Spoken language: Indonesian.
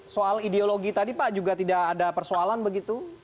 soal ideologi tadi pak juga tidak ada persoalan begitu